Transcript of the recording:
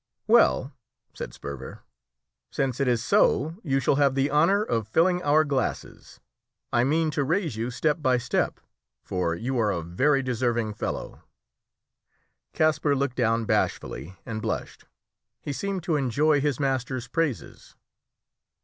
"Well," said Sperver, "since it is so, you shall have the honour of filling our glasses. I mean to raise you step by step, for you are a very deserving fellow." Kasper looked down bashfully and blushed; he seemed to enjoy his master's praises.